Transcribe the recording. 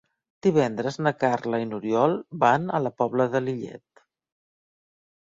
Divendres na Carla i n'Oriol van a la Pobla de Lillet.